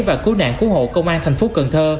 và cứu nạn cứu hộ công an thành phố cần thơ